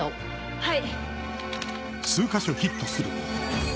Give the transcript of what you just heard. はい！